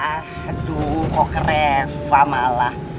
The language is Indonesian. aduh kok ke reva malah